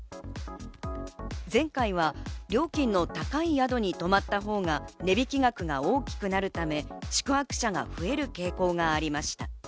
前回は料金の高い宿に泊まったほうが値引き額が大きくなるため、宿泊者が増える傾向がありました。